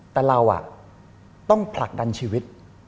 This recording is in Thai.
แต่เราต้องผลักดันชีวิต